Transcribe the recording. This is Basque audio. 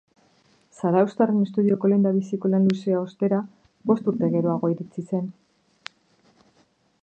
Zarauztarren estudioko lehendabiziko lan luzea, ostera, bost urte geroago iritsi zen.